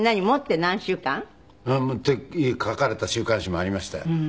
持って何週間？って書かれた週刊誌もありましたよ。